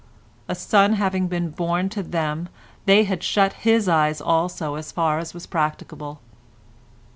A son having been born to them they had shut his eyes also as far as was practicable.